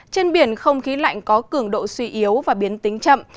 trên biển không khí lạnh có cường độ suy yếu và biến tính chậm